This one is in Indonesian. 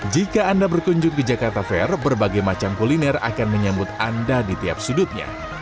jika anda berkunjung ke jakarta fair berbagai macam kuliner akan menyambut anda di tiap sudutnya